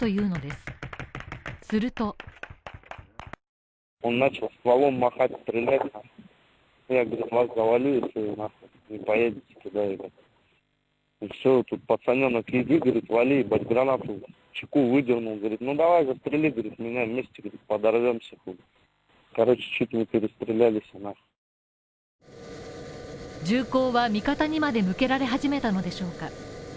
すると銃口は味方にまで向けられ始めたのでしょうか？